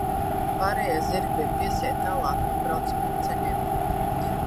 Pārējie zirgi bija piesieti tālāk no braucamiem ceļiem.